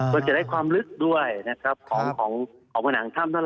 ก็จะได้ความลึกด้วยนะครับของของผน่างธ่ำทั้งหมด